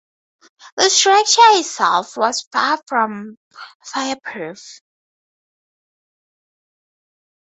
The structure itself was far from fireproof.